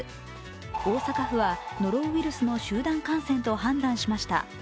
大阪府はノロウイルスの集団感染と判断しました。